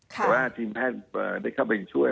แต่ว่าทีมแพทย์ได้เข้าไปช่วย